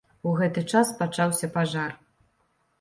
У гэты час пачаўся пажар.